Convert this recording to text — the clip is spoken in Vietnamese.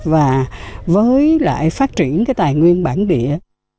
và với lại phát triển cái tài nguyên bản địa